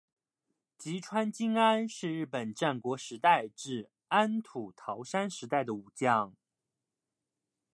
吉川经安是日本战国时代至安土桃山时代的武将。